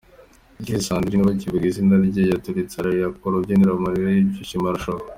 Ikirezi Sandrine bakivuga izina rye yaturitse ararira ku rubyiniro amarira y'ibyishimo arashoka.